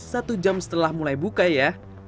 satu jam setelah mulai buka ya